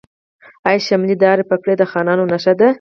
آیا شملې دارې پګړۍ د خانانو نښه نه ده؟